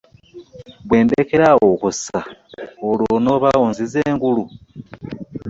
Bwendekerawo okussa olwo onoba onziza engulu .